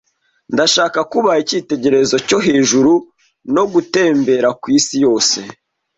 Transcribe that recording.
Ndashaka kuba icyitegererezo cyo hejuru no gutembera kwisi yose.